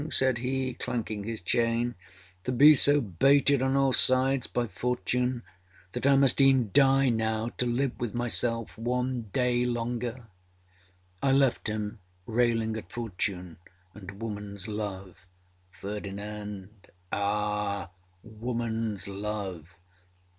â said he, clanking his chainââto be so baited on all sides by Fortune, that I must eâen die now to live with myself one day longer?â I left him railing at Fortune and womanâs love. FERDINAND.âAh, womanâs love!